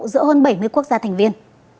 của bảy mươi quốc gia thành viên